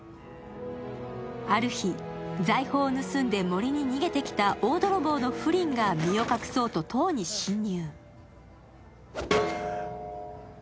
ある日、財宝を盗んで森に逃げてきた大泥棒のフリンが身を隠そうと塔に侵入。